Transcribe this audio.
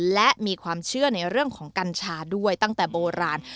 และมีความเชื่อในเรื่องของกัญชาด้วยตั้งแต่โบราณ